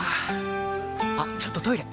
あっちょっとトイレ！